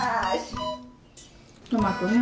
トマトね。